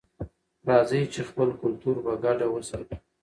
راځئ چې خپل کلتور په ګډه وساتو.